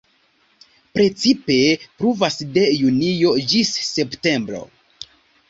Precipe pluvas de junio ĝis septembro.